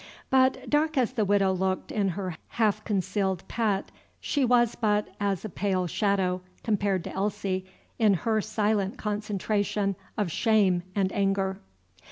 But dark as the Widow looked in her half concealed pet, she was but as a pale shadow, compared to Elsie in her silent concentration of shame and anger.